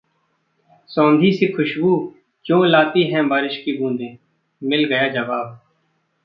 सोंधी-सी खुशबू क्यों लाती हैं बारिश की बूंदें? मिल गया जवाब